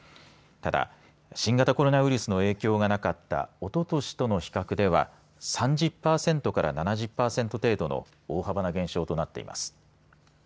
ただ新型コロナウイルスの影響がなかったおととしとの比較では３０パーセントから７０パーセント程度の大幅な減少となっています。